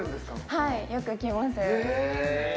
はい、よく来ます。